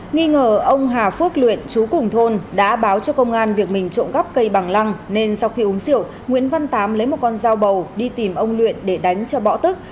nghi ngờ ông hà phước luyện chú cùng thôn đã báo cho công an việc mình trộm cắp cây bằng lăng nên sau khi uống rượu nguyễn văn tám lấy một con dao bầu đi tìm ông luyện để đánh cho bỏ tức